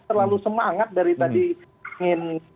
terlalu semangat dari tadi ingin